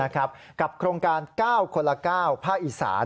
กับโครงการ๙คนละ๙ภาคอีสาน